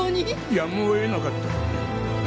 やむをえなかった。